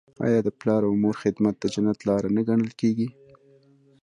آیا د پلار او مور خدمت د جنت لاره نه ګڼل کیږي؟